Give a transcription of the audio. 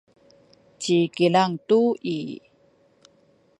ci Kilang tu i